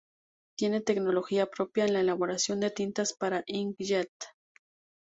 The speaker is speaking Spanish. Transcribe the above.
Tiene tecnología propia en la elaboración de tintas para ink-jet.